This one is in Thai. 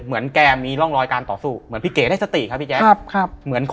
เหมือนแกมีร่องรอยการต่อสู้เหมือนพี่เก๋ได้สติครับพี่แจ๊ค